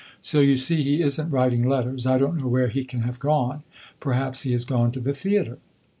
So you see he is n't writing letters. I don't know where he can have gone; perhaps he has gone to the theatre.